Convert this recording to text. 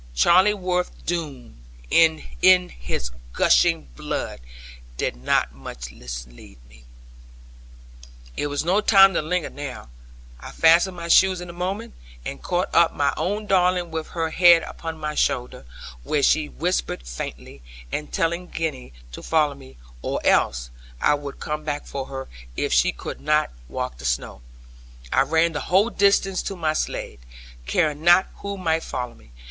Charleworth Doone, if his gushing blood did not much mislead me. It was no time to linger now; I fastened my shoes in a moment, and caught up my own darling with her head upon my shoulder, where she whispered faintly; and telling Gwenny to follow me, or else I would come back for her, if she could not walk the snow, I ran the whole distance to my sledd, caring not who might follow me.